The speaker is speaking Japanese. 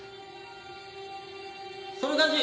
その感じ